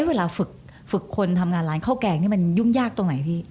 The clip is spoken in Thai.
เอ๊ะเวลาฝึกฝึกคนทำงานร้านเข้าแก่อย่างงี้มันยุ่งยากตรงไหนพี่